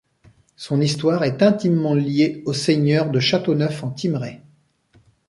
Son histoire est intimement liée aux seigneurs de Châteauneuf-en-Thymerais.